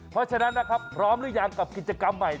เพราะฉะนั้นนะครับพร้อมหรือยังกับกิจกรรมใหม่